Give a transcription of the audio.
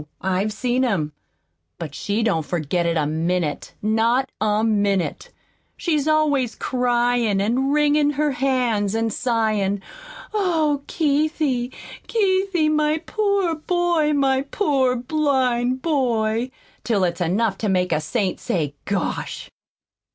I've seen him. But she don't forget it a minute not a minute. She's always cryin' an' wringin' her hands, an' sighin', 'Oh, Keithie, Keithie, my poor boy, my poor blind boy!' till it's enough to make a saint say, 'Gosh!'"